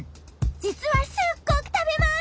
じつはすっごくたべます！